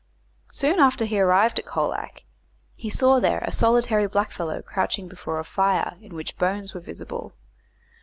Soon after he arrived at Colac he saw there a solitary blackfellow crouching before a fire in which bones were visible.